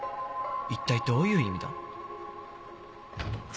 一体どういう意味だ？